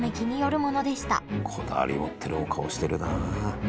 こだわり持ってるお顔してるなあ。